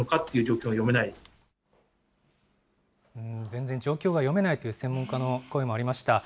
全然、状況が読めないという専門家の声もありました。